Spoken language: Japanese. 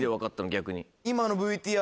逆に。